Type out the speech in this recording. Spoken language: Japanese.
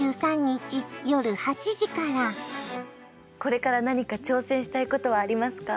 これから何か挑戦したいことはありますか？